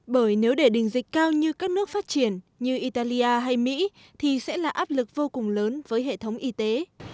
bởi nếu để đỉnh dịch cao như các nước phát triển như italia hay mỹ thì sẽ là áp lực vô cùng lớn với hệ thống y tế